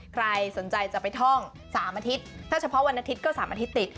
ใครสนใจจะไปท่อง๓อาทิตย์ถ้าเฉพาะวันอาทิตย์ก็๓อาทิตย์ติด